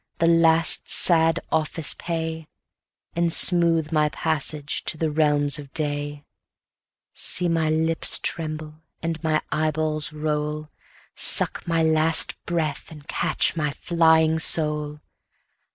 the last sad office pay, And smooth my passage to the realms of day; See my lips tremble, and my eyeballs roll, Suck my last breath, and catch my flying soul!